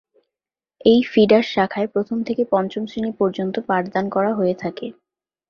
এই ফিডার শাখায় প্রথম থেকে পঞ্চম শ্রেণী পর্যন্ত পাঠদান করা হয়ে থাকে।